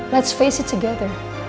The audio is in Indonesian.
mari kita hadapin sama sama